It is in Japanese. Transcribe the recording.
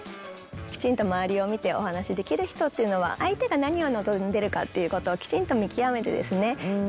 きちんと周りを見てお話しできる人っていうのは相手が何を望んでるかっていうことをきちんと見極めてですね